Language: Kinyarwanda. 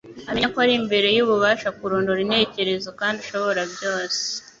Amenya ko ari imbere y’ubasha kurondora intekerezo, kandi ushobora byose